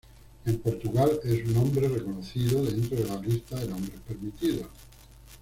En Portugal es un nombre reconocido dentro de la lista de nombres permitidos.